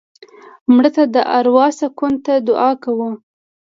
مړه ته د اروا سکون ته دعا کوو